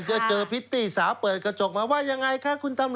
เจอพริตตี้สาวเปิดกระจกมาว่ายังไงคะคุณตำรวจ